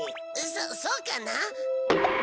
そそうかな？